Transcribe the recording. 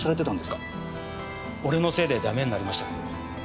俺のせいでダメになりましたけど。